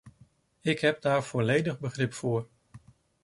Ik heb daar volledig begrip voor.